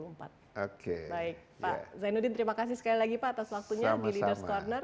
baik pak zainuddin terima kasih sekali lagi pak atas waktunya di ⁇ leaders ⁇ corner